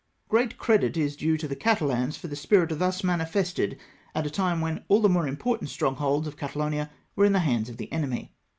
Great credit is due to the Catalans for the spirit thus manifested at a time when all the more important strono holds of Catalonia were in the hands of the D enemy.